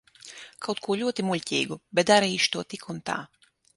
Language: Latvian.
Kaut ko ļoti muļķīgu, bet darīšu to tik un tā.